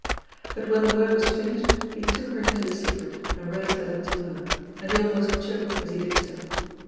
But when the work was finished he took her into the secret and read his letter to her, and he almost choked as he did so.